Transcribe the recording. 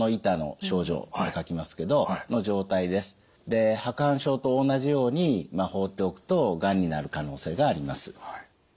で白板症と同じように放っておくとがんになる可能性があります。